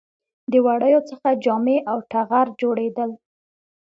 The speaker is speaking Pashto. د وړیو څخه جامې او ټغر جوړیدل